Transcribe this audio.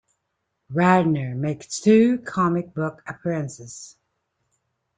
Radner makes two comic book appearances.